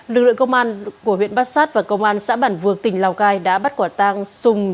lực lượng công an của huyện bát sát và công an xã bản vược tỉnh lào cai đã bắt quả tang sùng